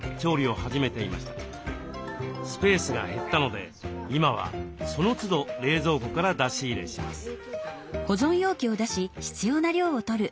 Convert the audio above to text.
スペースが減ったので今はそのつど冷蔵庫から出し入れします。